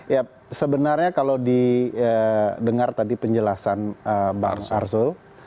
ya sebenarnya kalau didengar tadi penjelasan bang arsul